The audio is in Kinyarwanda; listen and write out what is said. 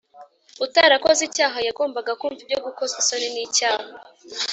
. Utarakoze icyaha yagombaga kumva ibyo gukozwa isoni n’icyaha.